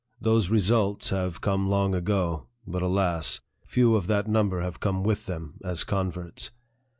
Those " results " have come long ago ; but, alas ! few of that number have come with them, as converts.